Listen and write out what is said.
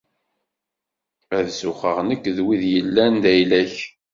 Ad zuxxeɣ nekk d wid yellan d ayla-k.